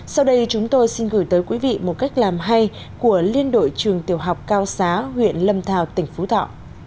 sau đây chúng tôi xin gửi tới quý vị một cách làm hay của liên đội trường tiểu học cao xá huyện lâm thào tỉnh phú thọ